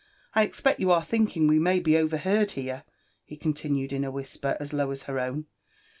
— I expect you are thinking we may be overheard here?'* he continued in a whisper as low as her own.